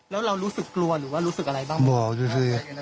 แล้วเรารู้สึกกลัวหรือรู้สึกอะไรบ้าง